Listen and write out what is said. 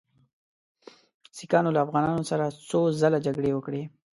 سیکهانو له افغانانو سره څو ځله جګړې وکړې.